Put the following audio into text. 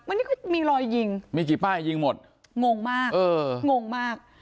วันนี้ก็มีรอยยิงมีกี่ป้ายยิงหมดงงมากเอองงมาก